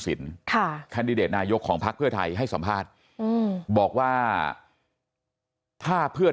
สินค่ะแคนดิเดตนายกของพักเพื่อไทยให้สัมภาษณ์อืมบอกว่าถ้าเพื่อ